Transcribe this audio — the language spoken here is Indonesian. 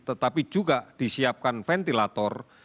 tetapi juga disiapkan ventilator